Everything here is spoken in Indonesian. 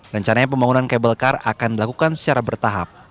rencananya pembangunan kabel kar akan dilakukan secara bertahap